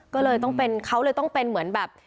ก็เลยต้องเป็นเขาเลยต้องเป็นเหมือนแบบ